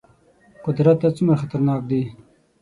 قدرت ته څومره خطرناک دي.